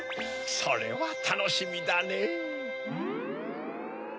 それはたのしみだねぇ。